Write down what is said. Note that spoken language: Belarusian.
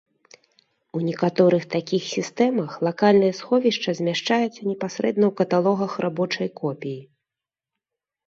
У некаторых такіх сістэмах лакальнае сховішча змяшчаецца непасрэдна ў каталогах рабочай копіі.